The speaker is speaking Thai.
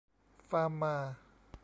ฟาร์มา